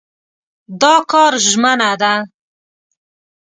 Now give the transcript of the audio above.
دا کار ژمنه ده.